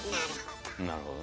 なるほど。